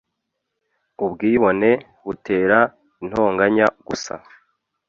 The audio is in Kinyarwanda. ubwibone butera intonganya gusa